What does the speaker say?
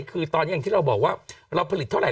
คือตอนนี้อย่างที่เราบอกว่าเราผลิตเท่าไห